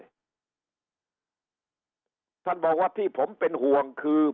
ท่านบอกว่าที่ผมเป็นห่วงคือ